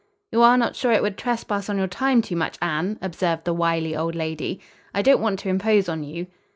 "You are not sure it would trespass on your time too much, Anne?" observed the wily old lady. "I don't want to impose on you."